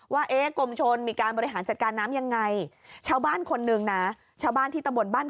ว่ากลมชนมีการบริหารจัดการน้ำยังไง